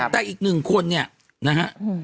แต่อีกหนึ่งคนเนี่ยนะฮะ